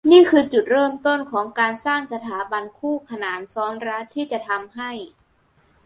นี่คือจุดเริ่มต้นของการสร้างสถาบันคู่ขนานซ้อนรัฐที่จะทำให้